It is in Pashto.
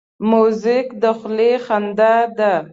موزیک د خولې خندا ده.